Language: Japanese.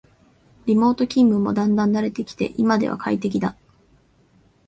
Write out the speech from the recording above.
リモート勤務もだんだん慣れてきて今では快適だ